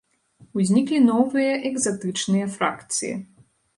Узніклі новыя экзатычныя фракцыі.